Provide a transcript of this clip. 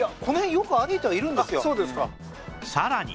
さらに